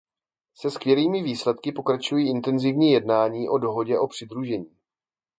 Se skvělými výsledky pokračují intenzivní jednání o dohodě o přidružení.